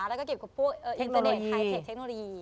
แล้วก็กับพวกเทคโนโลยี